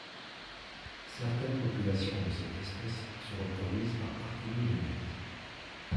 Certaines populations de cette espèce se reproduisent par parthénogenèse.